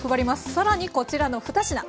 更にこちらの２品。